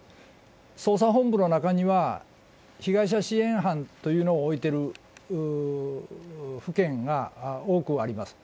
捜査本部の中には、被害者支援班というのを置いてる府県が多くあります。